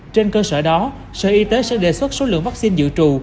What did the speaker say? trên cơ sở đó sở y tế sẽ đề xuất số lượng vaccine dự trù